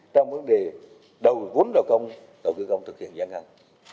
trong vấn đề đầu vốn đầu công đầu cư công thực hiện giả ngăn